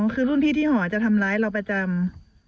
คือรุ่นพี่ที่หอจะทำร้ายเราประจำ